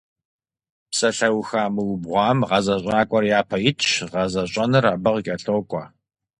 Псалъэуха мыубгъуам гъэзэщӏакӏуэр япэ итщ, гъэзэщӏэныр абы къыкӏэлъокӏуэ.